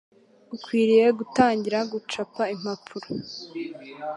Ukwiriye gutangira gucapa impapuro